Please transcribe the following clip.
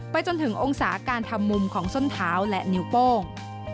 จนถึงองศาการทำมุมของส้นเท้าและนิ้วโป้ง